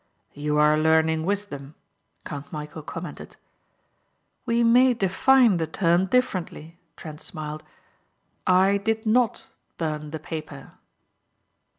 "You are learning wisdom," Count Michæl commented. "We may define the term differently," Trent smiled. "I did not burn the paper."